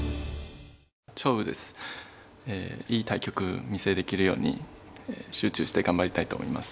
いい対局お見せできるように集中して頑張りたいと思います。